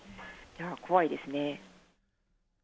怖いですね。